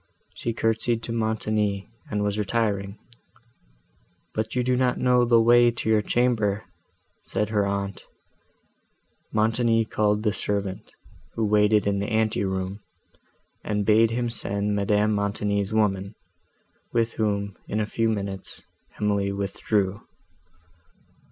She curtsied to Montoni, and was retiring; "But you do not know the way to your chamber," said her aunt. Montoni called the servant, who waited in the ante room, and bade him send Madame Montoni's woman, with whom, in a few minutes, Emily withdrew.